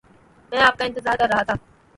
میں آپ کا انتظار کر رہا تھا۔